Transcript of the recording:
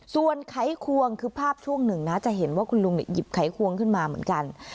ส่วนไขควงคือภาพช่วงหนึ่งนะจะเห็นว่าคุณลุงหยิบไขควงขึ้นมาเหมือนกัน